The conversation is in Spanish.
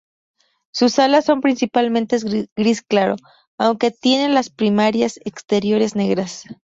Sus alas son principalmente gris claro, aunque tiene las primarias exteriores negras.